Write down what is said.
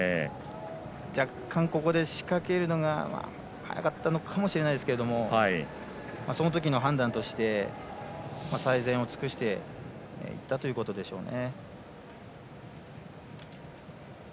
若干、仕掛けるのが早かったかもしれないですがそのときの判断として最善を尽くしていったということでしょうね。